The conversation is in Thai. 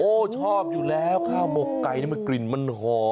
ชอบอยู่แล้วข้าวหมกไก่นี่มันกลิ่นมันหอม